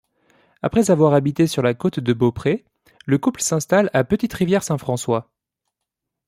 Après avoir habité sur la Côte-de-Beaupré, le couple s'installe à Petite-Rivière-Saint-François.